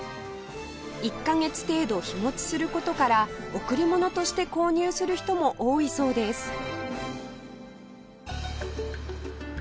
１カ月程度日持ちする事から贈り物として購入する人も多いそうです